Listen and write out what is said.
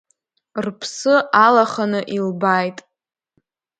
Рԥсы алаханы, илбааит.